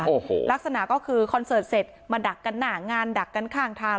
โอ้โหลักษณะก็คือคอนเสิร์ตเสร็จมาดักกันหน้างานดักกันข้างทาง